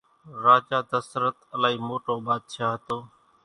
راجا ڌسرت الائِي موٽو ٻاڌشاھ ھتو۔